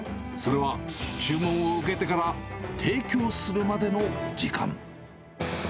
それは注文を受けてから提供するまでの時間。